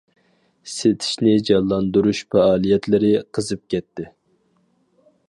سېتىشنى جانلاندۇرۇش پائالىيەتلىرى قىزىپ كەتتى.